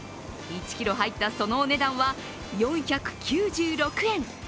１ｋｇ入ったそのお値段は４９６円。